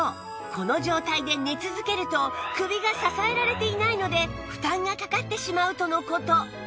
この状態で寝続けると首が支えられていないので負担がかかってしまうとの事